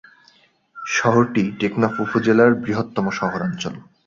শহরটি টেকনাফ উপজেলার বৃহত্তম শহরাঞ্চল।